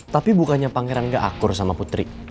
tapi bukannya pangeran gak akur sama putri